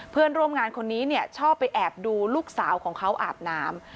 เพื่อนร่วมงานคนนี้เนี่ยชอบไปแอบดูลูกสาวของเขาอาบน้ำ